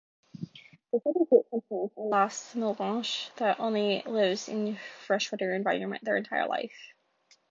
The second group contains elasmobranchs that only lives in freshwater environment their entire life.